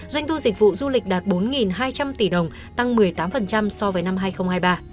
doanh thu dịch vụ du lịch đạt bốn hai trăm linh tỷ đồng tăng một mươi tám so với năm hai nghìn hai mươi ba